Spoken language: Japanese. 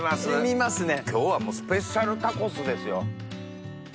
今日はスペシャルタコスですよ。